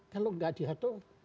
kalau tidak diatur